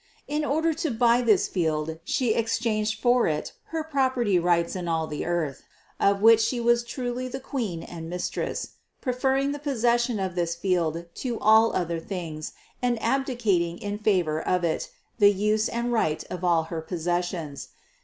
In order to buy this field She exchanged for it her prop erty rights in all the earth, of which She was truly the Queen and Mistress, preferring the possession of this field to all other things and abdicating in favor of it the use and right of all her possessions.